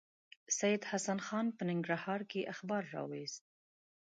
سید حسن خان په ننګرهار کې اخبار راوایست.